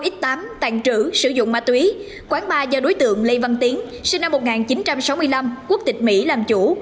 ba mươi x tám tàng trữ sử dụng ma túy quán bar do đối tượng lê văn tiến sinh năm một nghìn chín trăm sáu mươi năm quốc tịch mỹ làm chủ